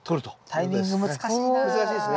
タイミング難しいな。